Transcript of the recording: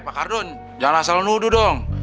pak ardun jangan asal nudu dong